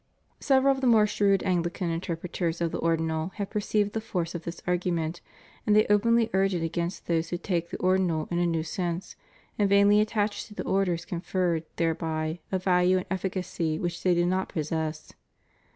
Several of the more shrewd Anglican interpreters of the Ordinal have perceived the force of this argument, and they openly urge it against those who take the Ordinal in a new sense and vainly attach to the Orders conferred thereby a value and efficacy which they do not possess.